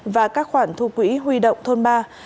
và các khoản thu quỹ huy động thôn ba